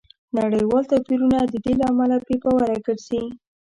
نړیوال توپیرونه د دې له امله بې باوره ګرځي